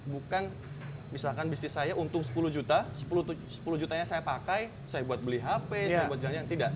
bukan misalkan bisnis saya untung sepuluh juta sepuluh jutanya saya pakai saya buat beli hp saya buat jalannya tidak